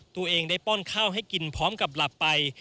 ตัวเองได้ป้อนข้าวให้กินพร้อมกับหลับไป